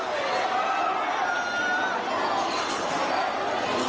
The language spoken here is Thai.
เอาเลย